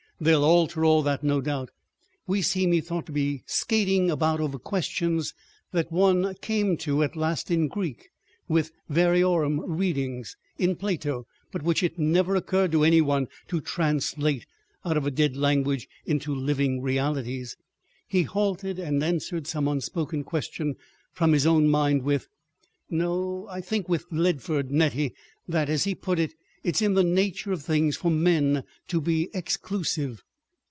They'll alter all that, no doubt. We seem"—he thought—"to be skating about over questions that one came to at last in Greek—with variorum readings—in Plato, but which it never occurred to any one to translate out of a dead language into living realities. ..." He halted and answered some unspoken question from his own mind with, "No. I think with Leadford, Nettie, that, as he put it, it is in the nature of things for men to be exclusive.